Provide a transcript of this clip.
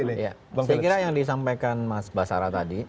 saya kira yang disampaikan mas basara tadi